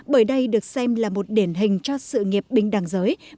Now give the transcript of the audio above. bởi đây được xem là một điển hình cho sự nghiệp bình đẳng giới